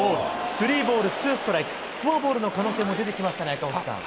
スリーボール、ツーストライク、フォアボールの可能性も出てきましたね、赤星さん。